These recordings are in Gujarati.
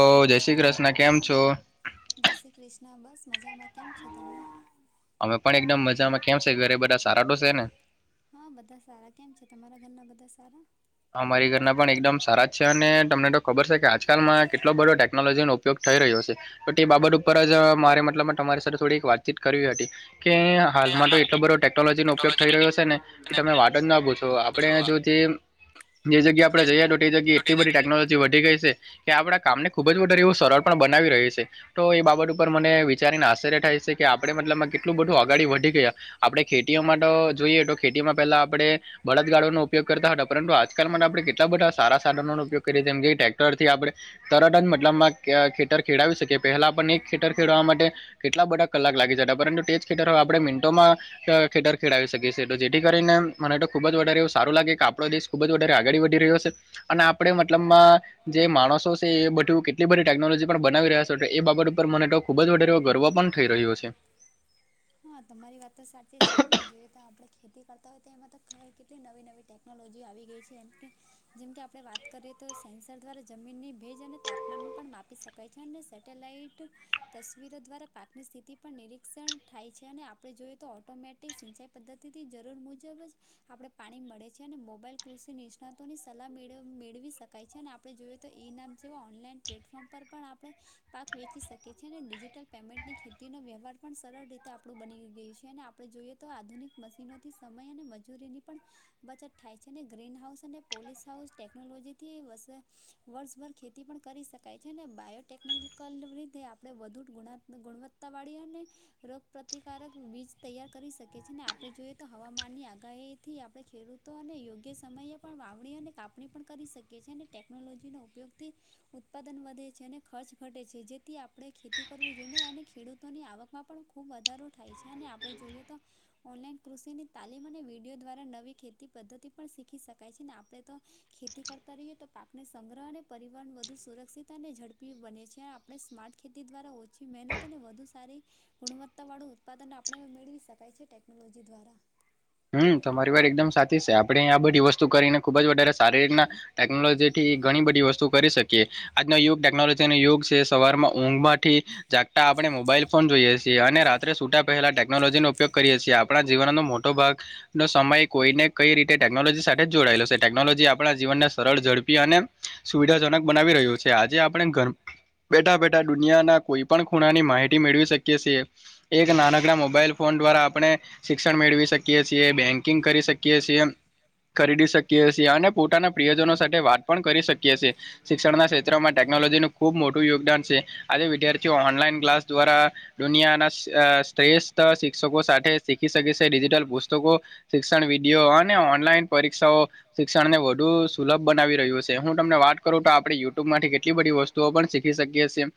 હો જય શ્રી કૃષ્ણ કેમ છો? જય કૃષ્ણ બસ મજામાં કેમ છો તમે? અમે પણ એકદમ મજામાં કેમ છે ઘરે બધા સારા તો છે ને? હા બધા સારા કેમ છે તમારા ઘરના બધા સારા? મારી ઘરના પણ એકદમ સારા જ છે અને તમને તો ખબર છે કે આજકાલમાં કેટલો બધો ટેકનોલોજીનો ઉપયોગ થઈ રહ્યો છે. તો તે બાબત ઉપર જ મારે મતલબ તમારી સાથે થોડી વાતચીત કરવી હતી, કે હાલમાં તો એટલો બધો ટેકનોલોજી નો ઉપયોગ થઈ રહ્યો છે ને એ તમે વાત જ ના પુછો આપડે જો જેમ જે જગ્યા આપણે જઈએ તો એ જગ્યાએ એટલી બધી ટેકનોલોજી વધી ગઈ છે, કે આપણા કામને ખુબ જ વધારે એવું સરળ પણ બનાવી રહી છે. તો એ બાબત ઉપર વિચારીને આશ્ચર્ય થાય છે કે આપણે મતલબમાં બધું આગડી વધી ગયા, આપણે ખેતીઓ માટે જોઈએ તો ખેતીમાં પહેલા આપણે બળદગાડોનો ઉપયોગ કરતા હતા પરંતુ આજ, કર્મ ના આપણે કેટલા બધા સારા સાધનો ઉપયોગ કરીએ જેમ કે ટ્રેક્ટરથી આપણે, તરત જ મતલબમાં ખેતર ખેડાવી શકે પહેલા આપને એક ખેતર ખેડવા માટે, કેટલા બધા કલાક લાગી જતા પરંતુ તે જ ખેતરો આપણે મિનિટોમા, ખેતર ખેડાવી શકી છે તો જેથી કરીને મને તો ખુબ જ વધારે એવ સારું લાગે કે આપણો દેશ, ખૂબ જ વધારે આગળ વધી રહ્યો છે અને આપણે મતલબમાં, જે માણસો છે એ બધું કેટલી બધી ટેકનોલોજી પણ બનાવી રહ્યા છે એ બાબત ઉપર મને તો, ખૂબ જ વધારે એવો ગર્વ પણ થઈ રહ્યો છે. હા તમારી વાત તો સાચી જ છે આપણે જોઈએ તો આપણે ખેતી કરતા હોય તો એમાં તો ખબર કેટલી નવી નવી ટેક્નોલોજી આવી ગઈ છે એમ કે જેમકે આપણે વાત કરીએ તો સેન્સર દ્વારા જમીનની ભેજ અને તાપમાન પણ માપી શકે. કહે છે અને સેટેલાઈટ તસવીરો દ્વારા પાકની સ્થિતિ પર નિરીક્ષણ થાય છે. છે અને આપણે જોઈએ તો ઓઑટોમેટિક સિંચાઈ પદ્ધતિની જરૂર મુજબ જ આપણે પાણી મળે છે અને મોબાઈલ કૃષિ નિષ્ણાતોની સલાહ મેળવી શકાય છે અને આપણે જોય ઈ નામ જેવા ઓનલાઈન પ્લેટફોર્મ પર પણ આપણે પાક વેચી શકીએ છીએ અને ડિજિટલ તો પેમેન્ટની ખેતીનો વ્યહાર પણ સરળ રીતે આપણું બની ગયું છે અને આપણે જોઈએ તો આધુનિક મશીનોથી સમય અને મજૂરીની પણ બચત થાય છે ને ગ્રીનહાઉસ અને પોલીસ હાઉસ ટેકનોલોજીથી વસે વર્ષભર ખેતી પણ કરી શકાય છે ને બાયોટેકનિકલ રીતે આપણે વધુ ગુણાત્મક ગુણવત્તા તા વાડીઅને ર પ્રતિકારક વીજ તૈયાર કરી શકે છે અને આપણે જોઈએ તો હવામાનની આગાહીથી આપણે ખેડૂત તો અને યોગ્ય સમયે પણ વાવણી અને કાપણી પણ કરી શકીએ છીએ અને ટેકનોલોજીનો ઉપયોગથી ઉત્પાદન વધે છે અને ખર્ચ ઘટે છે જેથી આપણે ખેતી કરવું જોઈએને અને ખેડૂતોની આવકમાં પણ ખૂબ વધારો થાય છે અને આપણે જોઈએ તો ઓનલાઈન કૃષિની તાલીમ અને વિડીયો દ્વારા નવી ખેતી પદ્ધતિ પણ શીખી શકાય છે ને આપણે તો ખેતી કરતા રહીએ તો પાકને સંગ્રહ અને પરિવહન વધુ સુરક્ષિત અને ઝડપી બને છે. આપણે સ્માર્ટ ખેતી દ્વારા ઓછી મહેનત અને વધુ સારી ગુણવત્તાવાળું ઉત્પાદન આપણે મેળવી શકાય છે ટેકનોલોજી દ્વારા હમ્મ તમારી વાત એકદમ સાચી છે આપડે આ બધી વસ્તુ કરીને ખુબ જ વધારે સારી રીતના ટેકનોલોજી થી ઘણી બધી વસ્તુ કરી શકીએ આજનો યુગ ટેકનોલોજીનો યુગ છે સવારમાં ઊંઘમાંથી જાગતા આપણે મોબાઈલ ફોન જોઈએ છીએ અને રાત્રે સુતા પહેલા ટેકનોલોજીનો ઉપયોગ કરીએ છીએ આપણા જીવનનો મોટો ભાગ નો સમય કોઈને કઈ રીતે ટેકનોલોજી સાથે જ જોડાયેલો છે ટેકનોલોજી આપણા જીનને સરળ ઝડપી અને સુવિધાજનક બનાવી રહ્યું છે આજે આપણે ઘર બેઠા બેઠા દુનિયાના કોઈ પણ ખૂણાની માહિતી મેળવી શકીએ છીએ. એક નાનકડા મોબાઈલ ફોન દ્વારા આપણે શિક્ષણ મેળવી શકીએ. છીએ બેન્કિંગ કરી શકીએ છીએ. ખરીદી શકીએ છીએ અને પોતાના પ્રિયજનો સાથે વાત પણ કરી શકીએ છીએ. શિક્ષણના ક્ષેત્રમાં ટેકનોલોજીનું ખુબ મોટું યોગદાન છે આજે વિદ્યાર્થીઓ ઓનલાઈન ક્લાસ દ્વારા દુનિયાના અ શ્રેષ્ઠ શિક્ષકો સાથે શીખી શકે છે ડિજિટલ પુસ્તકો શિક્ષણ વિડીયો અને ઓનલાઈન પરીક્ષાઓ શિક્ષણને વધુ સુલભ બનાવી રહ્યું છે હું તમને વાત કરું તો આપડણે યુટ્યુબમાંથી કેટલા કેટલી બધી વસ્તુઓ પણ શીખી શકીએ છીએ.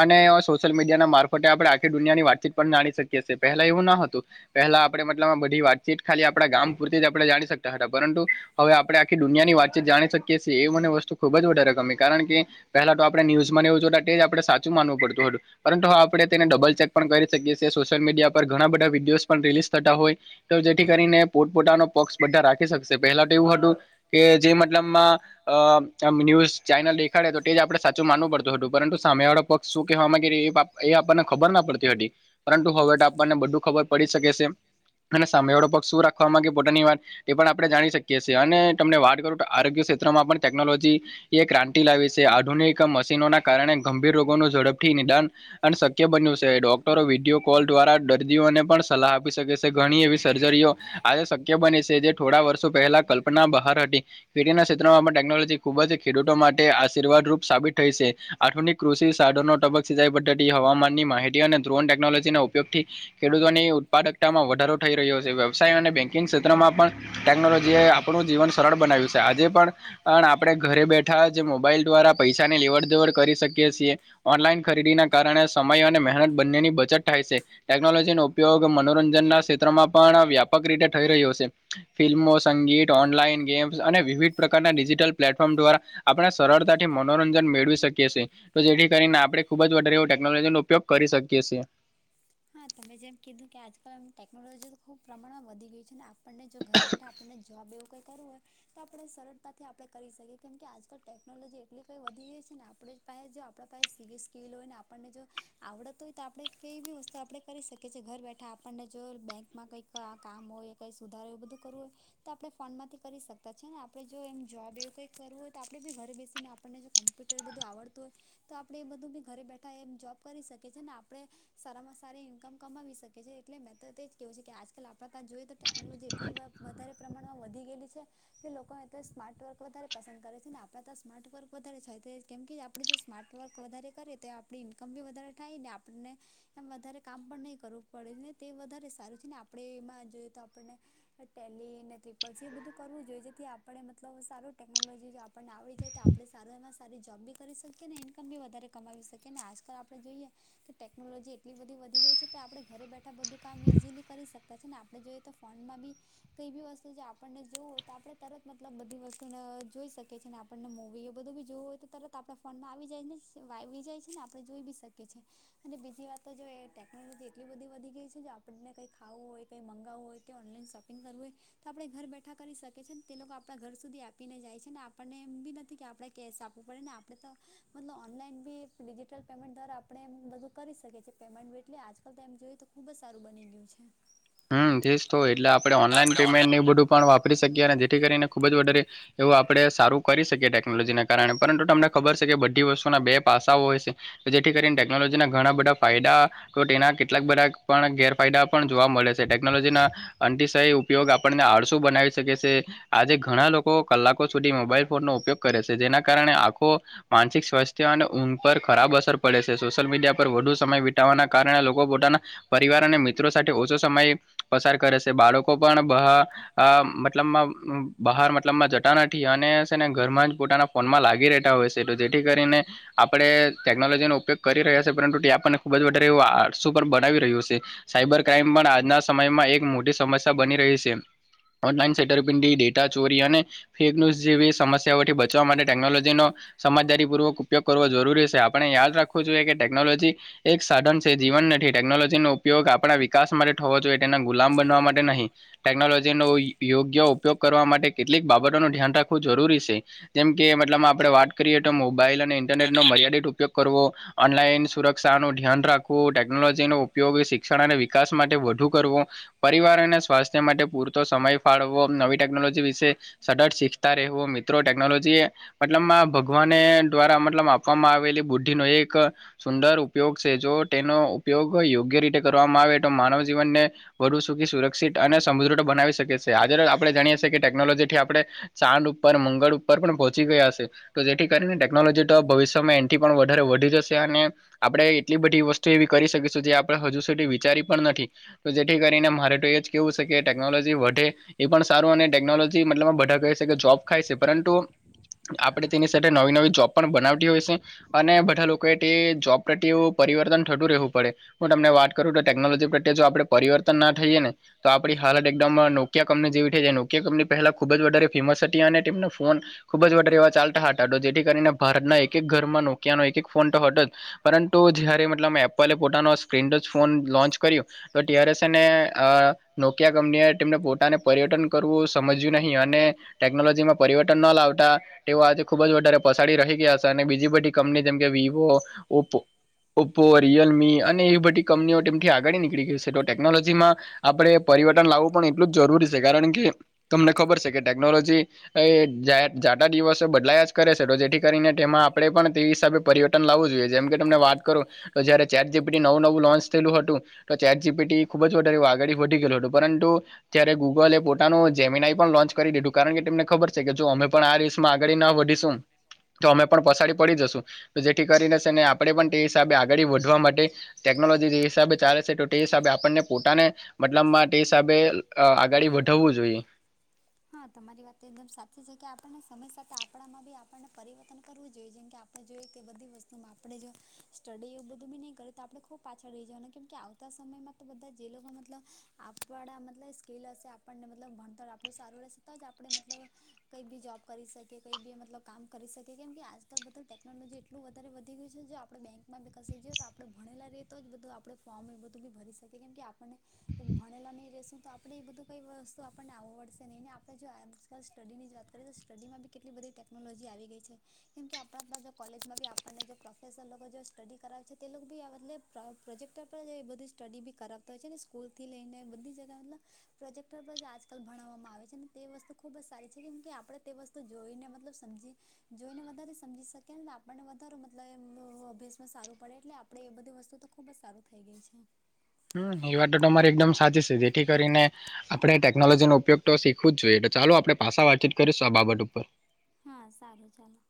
અને સોશિયલ મીડિયાના મારફતે આપણે આખી દુનિયાની વાતચી પણ જાણી શકીએ છે પહેલા એવુંના હતું પેલા આપડે મતલબ વાતચીત ખાલી આપણા ગામ પૂરતી જ આપણે જાણી શકતા હતા પરંતુ હવે આપણે આખી દુનિયાની વાતચીત જાણી શકીએ. કે એ મને વસ્તુ ખુબ જ વધારે ગમે કારણ કે પહેલા તો આપણે ન્યુઝમાંને એવું જોતા તે જ આપણે સાચું માનવું પડતું હતું. પરંતુ હ આપણે તેને ડબલ ચેક પણ કરી શકીએ છીએ સોશિયલ મીડિયા પર ઘણા બધા વિડીયોઝ રિલીઝ થતા હોય. તો જેથી કરીને પોતપોતાનો પોક્ક્ષ બધા રાખી શકશે પહેલા તો એવું હતું કે જે મતલબમાં અ ન્યૂઝ ચેનલ દેખાડે તો તે જ આપડે સાચું માનવું પડતું હતું પરંતુ સામે વાળો પક્ષ શું કહેવામાં એ એ આપણને ખબરના પડતી હતી પરંતુ હવે તો આપણને બધું ખબર પડી શકે છે. અને સામેવાળો પગ શું રાખવા માંગે પોતાની વાત તે પણ આપણે જાણી શકીએ છીએ અને તમને કરું આરોગ્ય શેત્રમાં પણ ટેકનોલોજી એ ક્રાંતિ લાવી છે. આધુનિક મશીનોના કારણે ગંભીર રોગોનું ઝડપથી નિદાન અને શક્ય બન્યું છે. ડોક્ટરો વિડીયો કોલ દ્વારા દર્દીઓને પણ સલાહ આપી શકે છે ઘણી એવી સર્જરીઓ આજે શક્ય બની છે. જે થોડા વર્ષો પહેલા કલ્પના બહાર હતી. ખેતીના ક્ષેત્રમાં પણ ટેકનોલોજી ખુબ જ ખેડૂતો માટે આશીર્વાદરૂપ સાબિત થઈ છે. આધુનિક કૃષિ સાધનો ટબક સિંચાઈ પદ્ધતિ હવામાનની માહિતી અને ધ્રોન ટેકનોલોજી ના ઉપયોગથી ખેડૂતોની ઉત્પાદકતામાં વધારો થઈ રહ્યો છે વ્યવસાય અને બેકિંગ ક્ષેત્રમાં પણ ટેકનોલોજી એ આપણું જીવન સરળ બનાવ્યું છે આજે પણ આપડે ઘરે બેઠા જે મોબાઈલ દ્વારા પૈસા ની લેવડ દેવડ કરી શકીએ છીએ. ઓનલાઈન ખરીદીના કારણે સમય અને મહેનત બંનેની બચત થાય છે. ટેકનોલોજી ન ઉપયોગ મનોરંજન ક્ષેત્રમાં પણ વ્યાપક રીતે થઈ રહ્યો છે ફિલ્મો સંગીત ઓનલાઈન ગેમ્સ અને વિવિધ પ્રકારના ડિજિટલ પ્લેટફોર્મ દ્વારા આપણે સરળતાથી મનોરંજન મેળવી શકીએ છીએ. તો જેથી કરીને આપડણે ખુબ જ વધારે એવો ટેકનોલોજી નો ઉપયોગ કરી શકીએ છીએ. હા તમે જેમ કીધું કે આજકાલમ ટેકનોલોજી તો ખુબ પ્રમાણમાં વધી ગય છે ને આપણને જો ઘર બેઠા આપણને જોબ એવું કઈ કરવું હોય તો આપણે સરળતાથી આપણે કરી શકીએ કેમ કે આજકાલ ટેકનોલોજી એટલી કંઈ વધી ગઈ છે ને આપણે પાસે જો આપણા પાસે સીવિ સ્કીલ હોય ને આપણને જો આવડત હોય તો આપણે કઈ બી વસ્તુ કરી શકીએ છીએ ઘર બેઠા આપણને જો બેંકમાં કંઈક કામ હોય કંઈ સુધારો હોય એ બધું કરવું હોય તો આપણે ફોનમાંથી કરી શકતા છે ને આપણે જો એમ જોબ એવ કઈ કરવું હોય તો આપડે બી ઘરે બેસીને આપણને જો કોમ્પ્યુટર બધું આવડતું હોય તો આપડે એ બધું બી ઘરે બેઠા એમ જોબ કરી શકીએ છી ને આપડણે સારામાં સારી ઇન્કમ કમાવી શકે છે એટલે મેં તો એ જ કેવું છે કે આજકાલ આપણે ત્યાં જોઈએ તો ટેકનોલોજી એટલી વધારે પ્રમાણમાં વધી ગયેલી છે. જે લોકો તો સ્માર્ટવર્ક વધારે પસંદ કરે છે ને આપણા તો સ્માર્ટવર્ક વધારે છે કેમ કે આપણે જો સ્માર્ટવર્ક વધારે કરિયે તો આપણી ઈન્કમ બી વધારે થાયને આપણને એમ વધારે કામ પણ નહીં કરવું પડે ને તે વધારે સારું છે ને આપણે એમાં જોઈએ તો આપણને ટેલી ને ટ્રિપલ સી એ બધું કરવું જોઈએ જેથી આપણે મતલબ સારું ટેકનોલોજી પણ આવડી જાય તો આપણે સારા એમાં સારી જોબ બી કરી શકીએ ને ઇન્કમ બી વધારે કમાવી શકીએ ને આજકાલ આપણે જોઈએ કે ટેકનોલોજી એટલી બધી વધી ગઈ છે તો આપણે ઘરે બેઠા બધું કામ ઇઝીલી કરી શકતા છે ને આપણે જોઈએ તો ફોનમાં બી કઈ બી વસ્તુ જે આપણને જોવું હોય તો આપણે તરત મતલબ બધી વસ્તુને જોઈ શકીએ ને આપણને મૂવી એ બધું બી જોવું હોય તો તરત આપણા ફોનમાં આવી જાય ને આવી જાય છે ને આપણે જોઈ બી શકીએ છીએ. અને બીજી વાત તો જો ટેકનોલોજી એટલી બધી ગઈ છે જો આપણે કંઈ ખાવું હોય કઈ મંગાવવું હોય કે ઓનલાઈન શોપિંગવું કરવું હોય તો આપણે ઘર બેઠા કરી શકી છે ને તે લોકો આપણા ઘર સુધી આપીને જાય આપણને એમ બી નથી કે આપણે કેશ આપવું પડે ને આપણે તો મતલબ ઓનલાઈન બી ડિજિટલ પેમેન્ટ દ્વારા આપણે એમ બધું કરી શકે છે પેમેન્ટ એટલે આજકાલ તો એમ જોયએ તો ખુબ જ સારું બની ગિયું છે. હમ તે જ તો એટલે આપણે ઓનલાઈન પેમેન્ટ એ બધું પણ વાપરી શકીએ અને જેથી કરીને ખુબ જ વધારે એવું આપડે સારું કરી શકીએ ટેકનોલોજી ને કારણે પરંતુ તમને ખબર છે કે બધી વસ્તુના બે પાસાઓ હોય છે જેથી કરીને ટેકનોલોજીના ઘણા બધા ફાયદા તો તેના કેટલાક બધા પણ ગેરફાયદા પણ જોવા મળે છે ટેકનોલોજીના આટીસય ઉપયોગ આપણને આળસુ બનાવી શકે છે. આજે ઘણા લોકો કલાકો સુધી ફોનનો ઉપયોગ કરે છે જેના કારણે આખો માનસિક સ્વાસ્થ્ય અને ઊંઘ પર ખરાબ અસર પડે છે સોશિયલ મીડિયા પર વધુ સમય વિતાવાના કારણે લોકો પોતાના પરિવાર અને મિત્રો સાથે ઓછો સમય પસાર કરે સે. બાળકો પણ બહા... અ મતલબમાં બહાર મતલબમાં જટા નથી અને સે ને ઘરમાં જ પોતાના ફોનમાં લાગી રહેતા હોય છે તો તેથી કરીને આપડે ટેકનોલોજીનો ઉપયોગ કરી રહ્યા છે પરંતુ તે આપણને ખુબ જ વધારે એવું આડસુ પર બનાવી રહ્યું છે. સાયબર ક્રાઈમ પણ આજના સમયમાં એક મોટી સમસ્યા બની રહી સે. ઓનલાઈન છેતરપિંડી, ડેટા ચોરી અને, ફેક ન્યૂઝ જેવી સમસ્યાઓથી બચવા માટે ટેકનોલોજીનો, સમમાજદારી પૂર્વક ઉપયોગ કરવો જરૂરી સે. આપણે યાદ રાખવું જોઈએ કે ટેકનોલોજી એક સાધન છે જીવન નથી, ટેકનોલોજીનો ઉપયોગ આપડા વિકાસ માટે. હોવો જોઈએ, તેના ગુલામ બનવા માટે નહીં. ટેકનોલોજીનો યોગ્ય ઉપયોગ કરવા માટે કેટલીક બાબતોનું ધ્યાન રાખવું જરૂરી સે. જેમ કે મતલબમાં આપડે વાત કરીએ તો મોબાઈલ અને ઇન્ટરનેટનો મર્યાદિત ઉપયોગ કરવો. ઓનલાઈન સુરક્ષાનું ધ્યાન રાખવું, ટેકનોલોજીનો ઉપયોગએ શિક્ષણ અને વિકાસમા... ટે વધુ કરવુ, પરિવાર અને સ્વાસ્થ્ય માટે પૂરતો સમય ફાળવો, નવી ટેકનોલોજી વિશે. સટત શીખતા રહેવુ. મિત્રો ટેકનોલોજીએ... મતલબમાં ભગવાને દ્વારા મતલબ આપવામાં આવેલી બુદ્ધિનો એક.. સુંદર ઉપયોગ છે, જો તેનો ઉપયોગ યોગ્ય રીતે કરવામાં આવે તો માનવ જીવનને, વધુ સુખી, સુરક્ષિત અને સમુદૃઢ બનાવી શકીએ સે. આજે આપડે જાણીએ સે કે ટેકનોલોજીથી આપડે. ચાંડ ઉપર, મંગળ ઉપર પણ પહોંચી ગયા સે. તો જેથી કરીને ટેકનોલોજી તો ભવિષ્યમાં એનથી પણ વધારે વધી જશે અને આપડે એટલી બધી વસ્તુ એવી કરી શકીશું, જે આપડે હજુ સુધી વિચારી પણ નથી. તો જેથી કરીને મારે તો એ જ કેવું સે કે ટેકનોલોજી વધે. એ પણ સારું અને ટેકનોલોજી મતલબમાં બધા કહે સે કે જોબ ખાય સે પરંતુ આપડે તેની સાથે નવી-નવી જોબ પણ બનાવતી હોય સે. અને બધા લોકોએ ટે જોબ પ્રટિ એવું પરિવર્તન થતું રહેવું પડે. હું તમને વાત કરું તો ટેકનોલોજી પ્રત્યે જો આપડે પરિવર્તન ના થઈએને. તો આપડી હાલત એકદમ નોકિયા કંપની જેવી થઈ જાય, નોકિયા કંપની પહેલા ખુબ જ વધારે ફેમસ હતી અને તેમનો ફોન ખુબ જ વધારે એવા ચાલતા હતા, ટો જેથી કરીને ભારતના એક-એક ઘરમાં નોકિયાનો એક-એક ફોન ટો હટો જ. પરંતુ જયારે મતલબ એપલે પોતાનો સ્ક્રીનટચ ફોન લોન્ચ કર્યો. તો ત્યારે સેને અ નોકિયા કંપનીએ તેમને પોતાને પર્યટન કરવું સમજ્યું નહીં, અને ટેકનોલોજીમાં પરિવર્તન ન લાવતા તેઓ આજે ખુબ જ વધારે પસાડી રહી ગયા સે અને બીજી બધી કંપની જેમ કે વિવો, ઓપો, ઓપો, રિયલમી અને એવી બધી કંપનીઓ તેમથી આગાળી ની નીકળી ગય શે. તો ટેકનોલોજીમાં આપડે પરિવર્તન લાવું પણ એટલું જ જરૂરી શે, કારણ કે, તમને ખબર સે કે ટેકનોલોજી એય જાય જાતા દિવસે બદલાયા જ કરે સે, તો જેથી કરીને તેમાં આપડે પણ તે હિસાબે. પરિવર્તન લાવું જોઈએ, જેમ કે તમને વાત કરુ તો જયારે ચેટ જીપિટી નવું-નવું લોન્ચ થેલું હતું. તો ચેટ જીપીટી ખુબ જ વધારે વાગાડી વધી ગેલુ હતું. પરંતુ જ્યારે ગુગલ એપ પોતાનું જેમેનાઈ પણ લોન્ચ કરી દીધું, કારણ કે તેમને ખબર છે કે જો અમે પણ આ રેસમાં આગાળી ના વધીશું, તો અમે પણ પસાડી પડી જશું, તો જેથી કરીને શેને આપડે પણ તે હિસાબે આગાળી વધવા માટે ટેકનોલોજી જે હિસાબે ચાલે સે તે તો ટે હિસાબે આપણને પોતાને મતલબમાં તે હિસાબે અ આગાળી વધાવું જોઈએ. હા, તમારી વાત એકદમ સાચી છે કે આપણને સમય સાથે આપડામાં બી આપડને પરિવર્તન કરવું જોઈએ જેમ કે આ મેં જોયુ તે બધી વસ્તુમાં આપડે જો સ્ટડી એવું બધું બી નઈ કરે તો આપડે ખૂબ પાછળ રેય જવાના કેમ કે આવ આવતા સમયમાં તો બધા જે લોકો મતલબ આપ વાડા મતલબ સ્કીલ હશે આપડને મતલબ ભણતર આ બઉ સારું રહેશે તો જ આપડે મતલબ કંઈ બી જોબ કરી શકીએ, કંઈ બી મતલબ કામ કરી શકીએ કેમ કે આજ કલ બધું ટેકનોલોજી એટલું વધારે વધી ગયું છે, જો આપડે બેંકમાં બી કસી જઈએ તો આપડે ભણેલા રહેએ તો જ બધું આપડે ફોર્મ એ બધું બી ભરી શકે કેમ કે આપણે એ ભણેલા નઈ રેશું તો આપડે એ બધું કઈ વસ્તુ આપડને આવડશે તે નઈને આપણે જો આજકાલ સ્ટડીની જ વાત કરીએ, તો સ્ટડીમાં બી કેટલી બધી ટેકનોલોજી આવી ગઈ છે. કેમ કે આપણા જ બધા કોલેજમાં બી આપણને જો પ્રોફેસર લોકો જો સ્ટડી કરાવે છે તે લોકો બી આ બદલે પ્રો-પ્રોજેક્ટર પર એ બધી સ્ટડી બી કરાવતા હોય છે, ને સ્કૂલથી લઈને બધી જગા મતલબ પ્રોજેક્ટર પર જ આજકાલ ભણાવામાં આ હોય છેન તે વસ્તુ ખૂબ જ સારી છે કેમ કે આપડે તે વસ્તુ જોઈને મતલબ સમજી જોઈને વધારે સમજી શકે ન આપડને વધ મતલબ એમનો અભ્યાસમાં સારું પડે એટલે આ પડે એ બધી વસ્તુ તો ખુબ જ સારું થઈ ગઈ છે. ઈ વાતો તમારે એકદમ સાચી છે જેથી કરીને આપણે ટેકનોલોજીનો ઉપયોગ તો શીખવું જ જોઈએ ચાલો આપણે પાછા વાતચીત કરીશું આ બાબત ઉપર હા સારું ચાલો